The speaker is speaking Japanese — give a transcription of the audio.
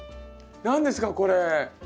何ですかこれ？